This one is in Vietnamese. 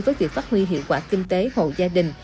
với việc phát huy hiệu quả kinh tế hộ gia đình